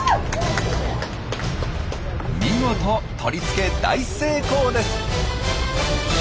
見事取り付け大成功です！